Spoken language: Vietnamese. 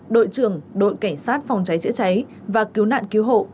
đội trưởng đội cảnh sát phòng cháy chữa cháy và cứu nạn cứu hộ